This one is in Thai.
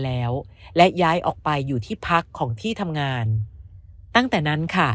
แล้วและย้ายออกไปอยู่ที่พักของที่ทำงานตั้งแต่นั้นค่ะ